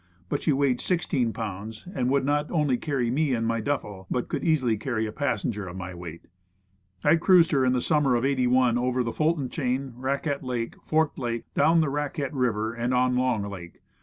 But she weighed 16 pounds, and would not only carry me and my duffle, but I could easily carry a passenger of my weight. I cruised her in the summer of '8i over the Fulton Chain, 136 Woodcraft. Raquette Lake, Forked Lake, down the Raquette River, and on Long Lake.